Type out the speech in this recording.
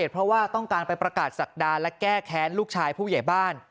เพราะว่าต้องการไปประกาศศักดาและแก้แค้นลูกชายผู้ใหญ่บ้าน